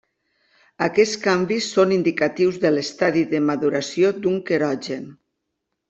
Aquests canvis són indicatius de l'estadi de maduració d'un querogen.